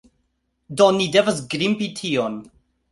Do ni devas grimpi tion.